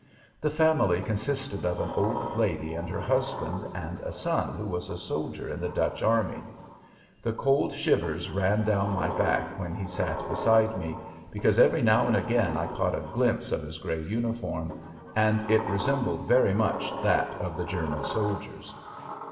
The family consisted of an old lady and her husband and a son who was a soldier in the Dutch army. The cold shivers ran down my back while he sat beside me, because every now and again I caught a glimpse of his gray uniform and it resembled very much that of the German soldiers.